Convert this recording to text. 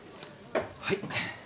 はい。